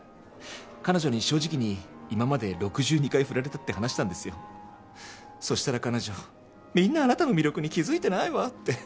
彼女に正直に今まで６２回フラれたって話したんですよそしたら彼女「みんなあなたの魅力に気づいてないわ」って